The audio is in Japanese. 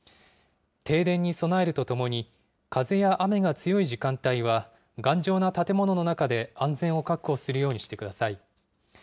停電に備えるとともに、風や雨が強い時間帯は、頑丈な建物の中で安全を確保するようにしてください。